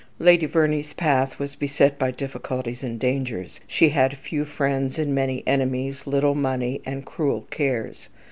Lady Verney's path was beset by difficulties and dangers. She had few friends and many enemies, little money and cruel cares.